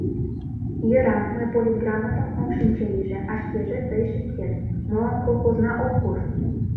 Йӧра, мый политграмотым ом шинче лийже, а шкеже тый шинчет: молан колхозна ок куш?